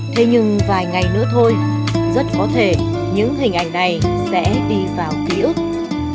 thế nhưng vài ngày nữa thôi rất có thể những hình ảnh này sẽ đi vào ký ức